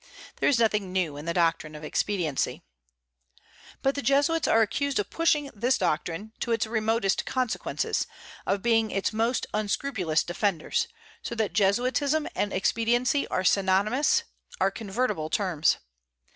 There is nothing new in the doctrine of expediency. But the Jesuits are accused of pushing this doctrine to its remotest consequences, of being its most unscrupulous defenders, so that Jesuitism and expediency are synonymous, are convertible terms.